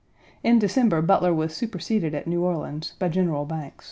In December Butler was superseded at New Orleans by General Banks.